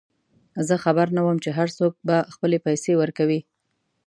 زه خبر نه وم چې هرڅوک به خپلې پیسې ورکوي.